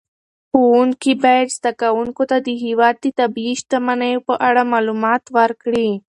ښوونکي باید زده کوونکو ته د هېواد د طبیعي شتمنیو په اړه معلومات ورکړي.